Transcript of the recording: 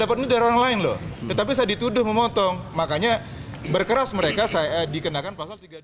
dapat dari orang lain loh tetapi saya dituduh memotong makanya berkeras mereka saya dikenakan